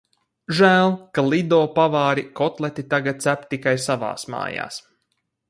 Žēl, ka Lido pavāri kotleti tagad cep tikai savās mājās.